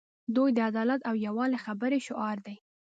دوی د عدالت او یووالي خبرې شعار دي.